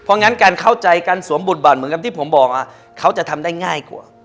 เพราะงั้นการเข้าใจการสวมบทบาทเหมือนกับที่ผมบอกเขาจะทำได้ง่ายกว่า